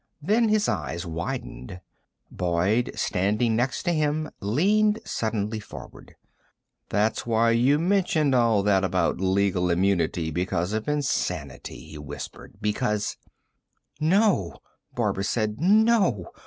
Then his eyes widened. Boyd, standing next to him, leaned suddenly forward. "That's why you mentioned all that about legal immunity because of insanity," he whispered. "Because " "No," Barbara said. "No.